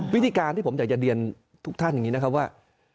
วิธีการที่ผมอยากจะเรียนทุกท่านอย่างนี้นะครับว่า